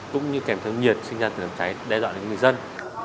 cũng như kèm thương nhiệt sinh ra từ cháy đe dọa đến người dân